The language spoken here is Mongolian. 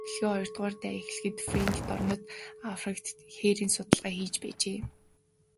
Дэлхийн хоёрдугаар дайн эхлэхэд Фрэнк дорнод Африкт хээрийн судалгаа хийж байжээ.